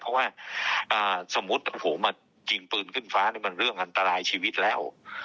เพราะว่าสมมุติมายิงปืนขึ้นฟ้านี่มันเรื่องอันตรายชีวิตแล้ว